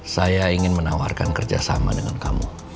saya ingin menawarkan kerjasama dengan kamu